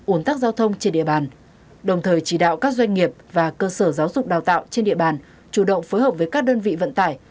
ủn tắc giao thông trên địa bàn đồng thời chỉ đạo các doanh nghiệp và cơ sở giáo dục đào tạo trên địa bàn chủ động phối hợp với các đơn vị vận tải